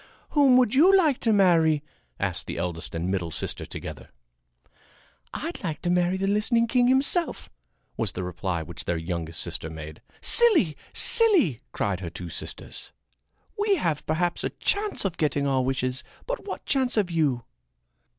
"Whom would you like to marry?" asked the eldest and the middle sister together. "I'd like to marry the listening king himself," was the reply which their youngest sister made. "Silly! Silly!" cried her two sisters. "We have perhaps a chance of getting our wishes, but what chance have you?"